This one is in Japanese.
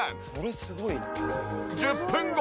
１０分後。